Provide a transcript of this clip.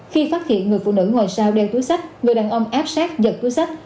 khi phát hiện người phụ nữ ngồi sau đeo túi sách người đàn ông áp sát giật túi sách